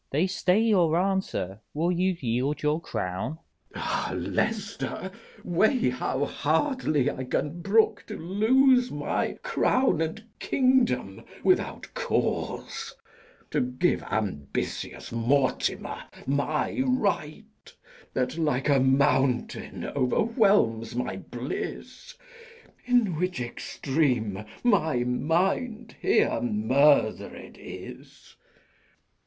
They stay your answer: will you yield your crown? K. Edw. Ah, Leicester, weigh how hardly I can brook To lose my crown and kingdom without cause; To give ambitious Mortimer my right, That, like a mountain, overwhelms my bliss; In which extreme my mind here murder'd is!